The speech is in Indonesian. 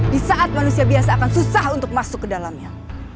di saat manusia biasa akan susah untuk masuk ke dalamnya